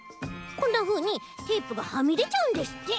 こんなふうにテープがはみでちゃうんですって。